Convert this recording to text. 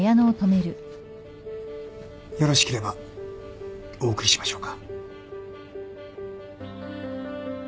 よろしければお送りしましょうか？